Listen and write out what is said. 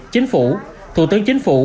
chính phủ thủ tướng chính phủ